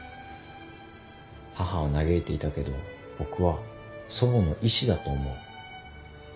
母は嘆いていたけど僕は祖母の意志だと思う。